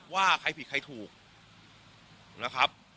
ว่าใครผิดใครถูกนะครับ